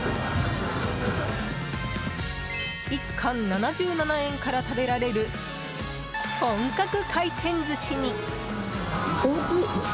１貫７７円から食べられる本格回転寿司に。